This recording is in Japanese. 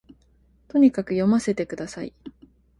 とにかく読ませて下さい